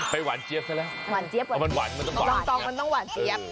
ไปหวานเจี๊ยบซะแล้วรองกองมันต้องหวานเจี๊ยบ